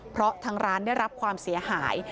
เพราะทางร้านได้รับความเสียหาย